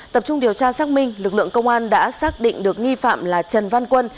tập trung điều tra xác minh lực lượng công an đã xác định được nghi phạm là trần văn quân